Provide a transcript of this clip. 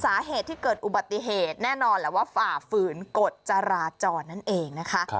สาเหตุที่เกิดอุบัติเหตุแน่นอนแหละว่าฝ่าฝืนกฎจราจรนั่นเองนะคะ